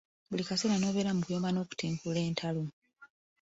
Buli kaseera n’obeera mu kuyomba n’okutinkuula entalo.